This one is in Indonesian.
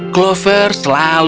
clover selalu dipercayai